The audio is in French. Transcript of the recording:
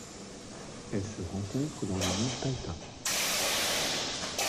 Elle se rencontre dans les monts Taita.